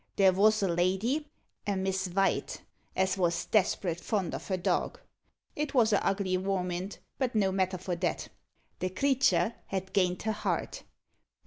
There wos a lady a Miss Vite as was desperate fond of her dog. It wos a ugly warmint, but no matter for that the creater had gained her heart.